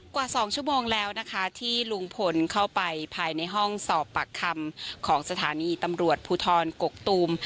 กว่า๒ชั่วโมงแล้วนะคะที่ลุงพลเข้าไปภายในห้องสอบปากคำของสถานีตำรวจภูทรกกตูม